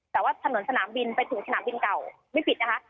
แต่ว่าถนนสนามบินไปถึงสนามบินเก่าไม่ปิดนะคะ